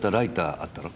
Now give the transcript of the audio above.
あったろ？